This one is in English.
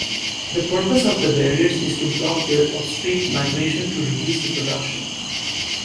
The purpose of the barriers is to block their upstream migration to reduce reproduction.